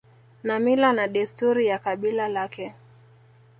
na mila na desturi ya kabila lake